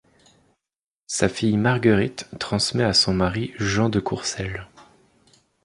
Sa fille Marguerite transmet à son mari Jean de Courcelles.